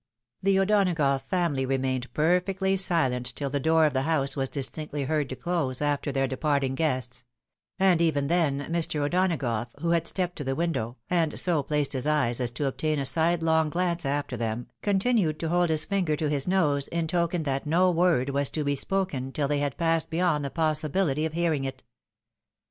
The O'Donagough family remained perfectly silent till the door of the house was distinctly heard to close after their departing guests ; and even then, Mr. O'Donagough, who had stepped to the window, and so placed his eyes as to obtain a sidelong glance after them, continued to hold his finger to his nose, in token that no word was to be spoken till they had passed beyond the possibility of hearing it.